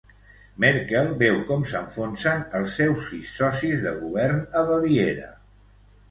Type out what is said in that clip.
Merkel veu com s'enfonsen els seus sis socis de govern a Baviera.